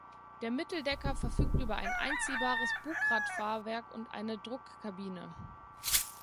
Der Mitteldecker verfügt über ein einziehbares Bugradfahrwerk und eine Druckkabine.